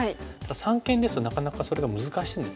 三間ですとなかなかそれが難しいんですね。